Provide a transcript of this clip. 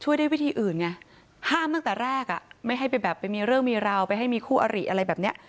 ได้วิธีอื่นไงห้ามตั้งแต่แรกอ่ะไม่ให้ไปแบบไปมีเรื่องมีราวไปให้มีคู่อริอะไรแบบเนี้ย